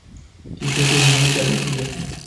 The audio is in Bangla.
ঈশ্বরকে ধন্যবাদ যে আপনি ঠিক আছেন!